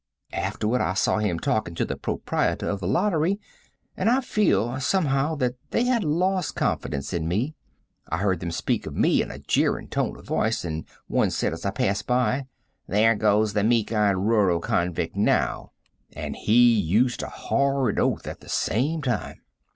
"Afterward I saw him talking to the proprietor of the lottery, and I feel, somehow, that they had lost confidence in me. I heard them speak of me in a jeering tone of voice, and one said as I passed by: 'There goes the meek eyed rural convict now,' and he used a horrid oath at the same time.